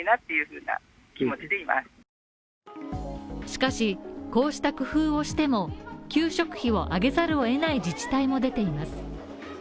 しかし、こうした工夫をしても、給食費を上げざるをえない自治体も出ています。